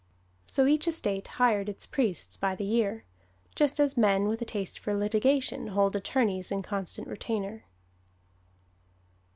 So each estate hired its priests by the year, just as men with a taste for litigation hold attorneys in constant retainer.